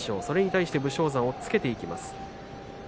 それ対して武将山は押っつけていきます。